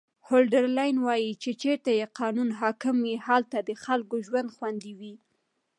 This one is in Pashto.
هولډرلین وایي چې چیرته چې قانون حاکم وي هلته د خلکو ژوند خوندي وي.